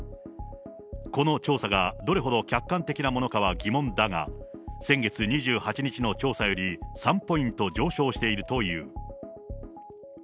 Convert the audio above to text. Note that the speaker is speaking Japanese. この調査がどれほど客観的なものかは疑問だが、先月２８日の調査より３ポイント上昇しているという。